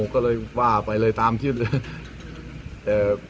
ก็เลยว่าไปเลยตามทางที่